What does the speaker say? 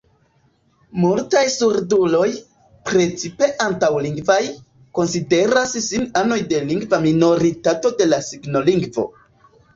Multaj surduloj, precipe antaŭ-lingvaj, konsideras sin anoj de lingva minoritato de la signolingvo.